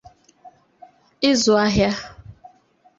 ịzụ ahịa